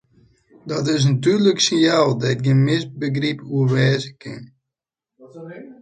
Dat is in dúdlik sinjaal dêr't gjin misbegryp oer wêze kin.